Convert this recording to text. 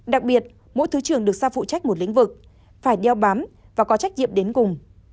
đặc biệt mỗi thứ trưởng được sao phụ trách một lĩnh vực phải đeo bám và có trách nhiệm đến cùng